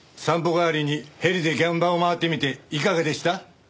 代わりにヘリで現場を回ってみていかがでした？